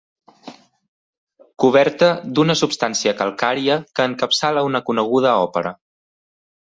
Coberta d'una substància calcària que encapçala una coneguda òpera.